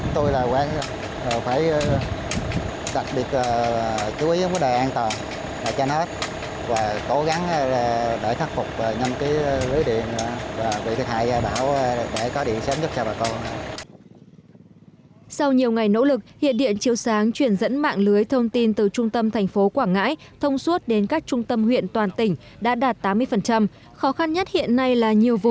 trong quá trình làm việc thì tôi là quán phải đặc biệt chú ý vấn đề an toàn trên hết